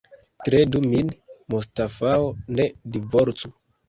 Kredu min, Mustafao, ne divorcu.